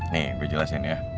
nih gue jelasin ya